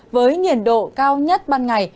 với nhiệt độ cao nhất ban ngày